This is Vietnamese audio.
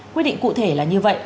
quy định cụ thể là như vậy